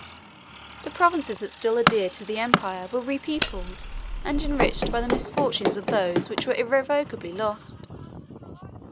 The provinces that still adhered to the empire were repeopled and enriched by the misfortunes of those which were irrecoverably lost.